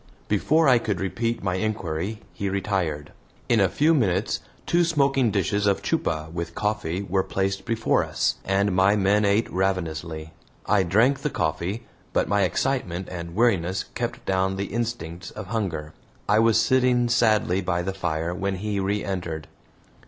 Before I could repeat my inquiry he retired. In a few minutes two smoking dishes of CHUPA with coffee were placed before us, and my men ate ravenously. I drank the coffee, but my excitement and weariness kept down the instincts of hunger. I was sitting sadly by the fire when he reentered.